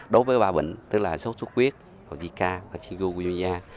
đối với ba bệnh tức là sốt xuất viết zika và shigugunya